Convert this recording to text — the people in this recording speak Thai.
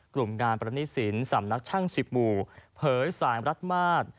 กลุ่มงานประณีศิลป์สำนักช่างสิบหมู่เผยสายมรัฐมาตร